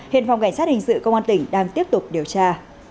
hiện phòng cảnh sát hình sự công an tỉnh đang tiếp tục điều tra